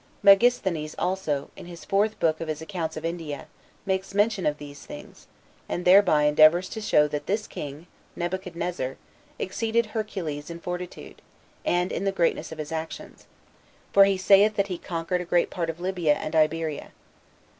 Megasthenes also, in his fourth book of his Accounts of India, makes mention of these things, and thereby endeavors to show that this king [Nebuchadnezzar] exceeded Hercules in fortitude, and in the greatness of his actions; for he saith that he conquered a great part of Libya and Iberia.